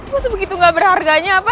kok sebegitu gak berharganya apa